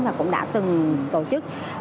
và cũng đã từng tổ chức